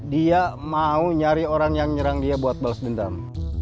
dia mau nyari orang yang nyerang dia buat balas dendam